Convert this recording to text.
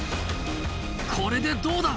これでどうだ？